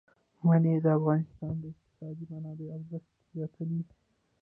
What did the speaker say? منی د افغانستان د اقتصادي منابعو ارزښت زیاتوي.